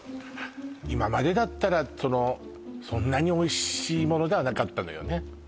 今までだったらそんなにおいしいものではなかったのよね